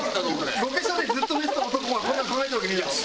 ロケ車でずっと寝てた男がこんなの考えてるわけねえだろ。